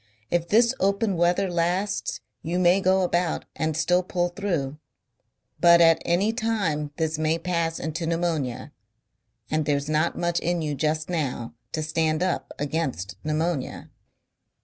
If this open weather lasts you may go about and still pull through. But at any time this may pass into pneumonia. And there's not much in you just now to stand up against pneumonia...."